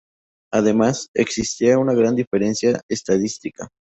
Además, existía otra gran diferencia estadística.